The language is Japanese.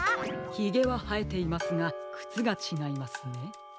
ひげははえていますがくつがちがいますね。